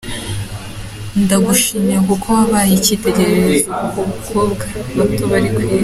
Ndagushimiye kuko wabaye icyitegererezo ku bakobwa bato bari ku Isi”.